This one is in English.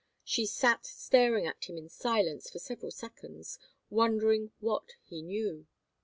She sat staring at him in silence for several seconds, wondering what he knew.